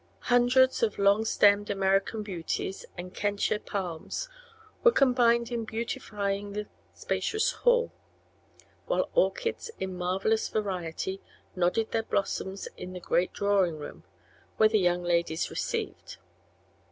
Hundreds of long stemmed American Beauties and Kentia palms were combined in beautifying the spacious hall, while orchids in marvelous variety nodded their blossoms in the great drawing room, where the young ladies received.